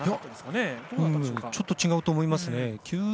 いや、ちょっと違うと思います。